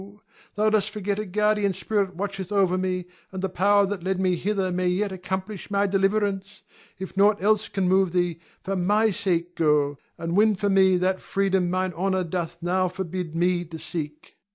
Thou dost forget a guardian spirit watcheth over me, and the power that led me hither may yet accomplish my deliverance. If nought else can move thee, for my sake go, and win for me that freedom mine honor doth now forbid me to seek.